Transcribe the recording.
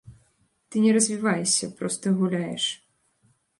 Ты не развіваешся, проста гуляеш.